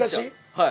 はい。